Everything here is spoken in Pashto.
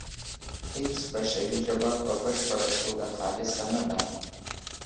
هیڅ بشري ژبه په بشپړه توګه خالصه نه ده